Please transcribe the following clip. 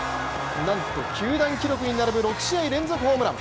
なんと球団記録に並ぶ６試合連続ホームラン。